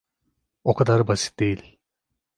O kadar basit değil.